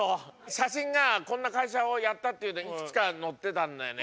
写真がこんな会社をやったっていうのいくつか載ってたんだよね。